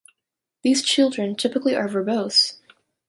These children typically are verbose.